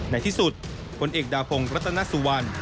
ในที่สุดผลเอกดาพงศ์รัตนสุวรรณ